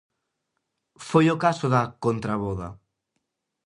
Foi o caso da "contravoda".